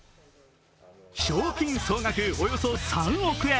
賞金総額およそ３億円。